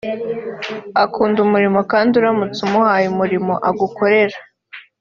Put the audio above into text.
akunda umurimo kandi uramutse umuhaye umurimo agukorera